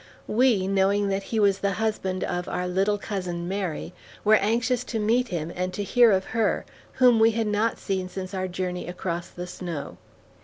We, knowing that he was the husband of our "little cousin Mary," were anxious to meet him and to hear of her, whom we had not seen since our journey across the snow.